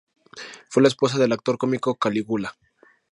Fue la esposa del actor cómico Calígula.